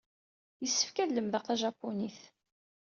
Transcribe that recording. Yessefk ad lemdeɣ tajapunit.